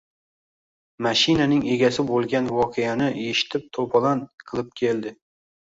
Mashinaning egasi bo`lgan voqeani eshitib to`polon qilib keldi